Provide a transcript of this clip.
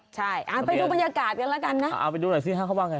ใช่ไปดูบรรยากาศกันแล้วกันนะเอาไปดูหน่อยสิฮะเขาว่าไง